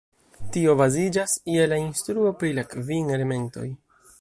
Tio baziĝas je la instruo pri la kvin elementoj.